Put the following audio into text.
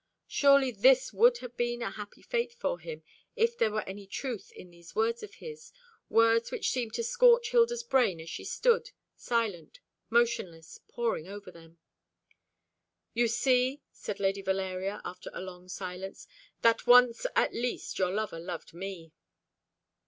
Surely this would have been a happy fate for him, if there were any truth in these words of his, words which seemed to scorch Hilda's brain as she stood, silent, motionless, poring over them. "You see," said Lady Valeria, after a long silence, "that once at least your lover loved me."